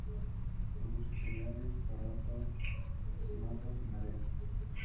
Produce cereales, poroto, oleaginosas y madera.